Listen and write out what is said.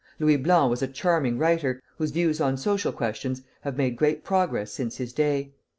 Louis Blanc was a charming writer, whose views on social questions have made great progress since his day.